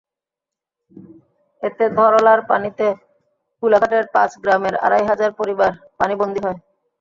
এতে ধরলার পানিতে কুলাঘাটের পাঁচ গ্রামের আড়াই হাজার পরিবার পানিবন্দী হয়।